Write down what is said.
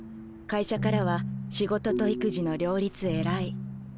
会社からは「仕事と育児の両立偉い」。